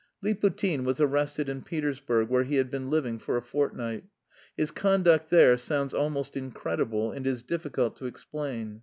Liputin was arrested in Petersburg, where he had been living for a fortnight. His conduct there sounds almost incredible and is difficult to explain.